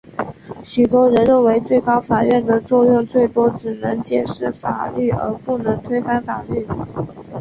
许多人认为最高法院的作用最多只能解释法律而不能推翻法律。